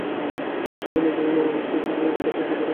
আবার সবাই নিজের জন্য করলে মানুষ হিসেবে তার পরিচয় থাকে না।